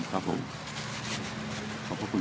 สวัสดีครับทุกคน